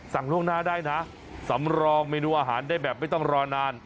ล่วงหน้าได้นะสำรองเมนูอาหารได้แบบไม่ต้องรอนาน